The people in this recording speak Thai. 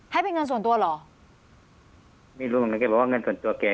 ให้เป็นเงินส่วนตัวเหรอไม่รู้เหมือนกันแกบอกว่าเงินส่วนตัวแก